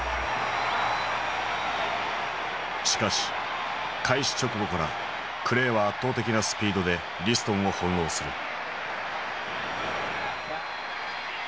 しかし開始直後からクレイは圧倒的なスピードでリストンを翻弄する。